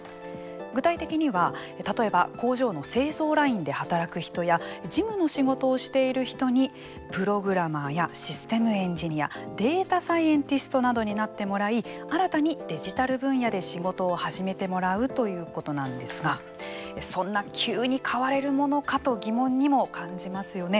具体的には、例えば工場の製造ラインで働く人や事務の仕事をしている人にプログラマーやシステムエンジニアデータサイエンティストなどになってもらい新たにデジタル分野で仕事を始めてもらうということなんですが「そんな急に変われるものか」と疑問にも感じますよね。